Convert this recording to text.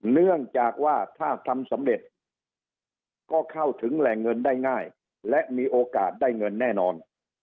เนื่องจากว่าถ้าทำสำเร็จก็เข้าถึงแหล่งเงินได้ง่ายและมีโอกาสได้เงินแน่นอน